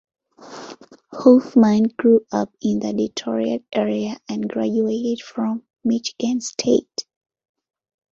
Hoffman grew up in the Detroit area and graduated from Michigan State.